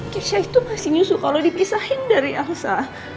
keisah itu masih nyusu kalau dipisahin dari elsa